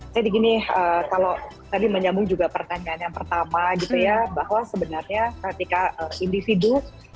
jadi gini kalau tadi menyambung juga pertanyaan yang pertama gitu ya bahwa sebenarnya ketika individu